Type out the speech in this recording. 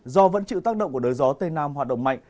do vẫn chịu tác động của đới gió tây nam hoạt động mạnh